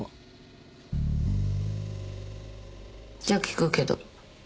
じゃあ聞くけど。